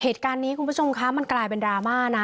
เหตุการณ์นี้คุณผู้ชมคะมันกลายเป็นดราม่านะ